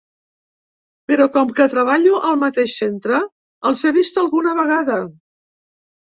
Però com que treballo al mateix centre, els he vist alguna vegada.